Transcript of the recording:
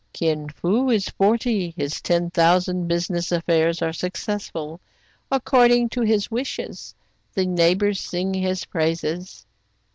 Kin Fo is forty. His ten thousand business affairs are successful, according to his wishes. The neighbors sing his praises."